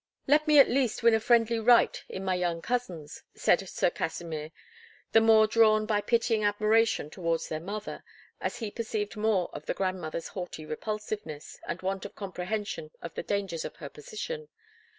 "Let me at least win a friendly right in my young cousins," said Sir Kasimir, the more drawn by pitying admiration towards their mother, as he perceived more of the grandmother's haughty repulsiveness and want of comprehension of the dangers of her position.